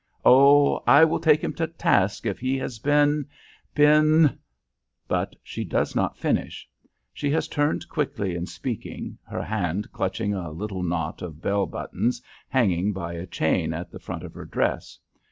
Oh! I will take him to task if he has been been " But she does not finish. She has turned quickly in speaking, her hand clutching a little knot of bell buttons hanging by a chain at the front of her dress.